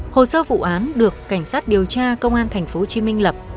hồ sơ vụ án được cảnh sát điều tra công an tp hcm lập